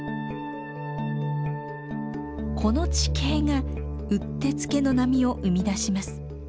この地形がうってつけの波を生み出します。